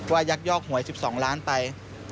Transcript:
ยักยอกหวย๑๒ล้านไป